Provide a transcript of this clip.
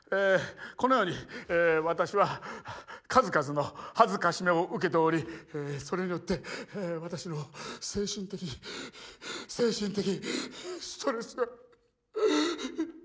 このように私は数々の辱めを受けておりそれによって私の精神的精神的ストレスは。